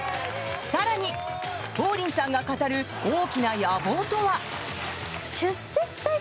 更に、王林さんが語る大きな野望とは？